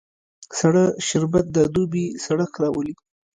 سړه شربت د دوبی سړښت راولي